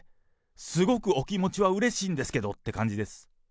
すごくお気持ちはうれしいんですけどって感じです。